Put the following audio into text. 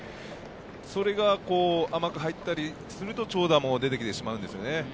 それが甘く入ったりすると長打も出てきてしまうんですよね。